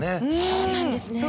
そうなんですね。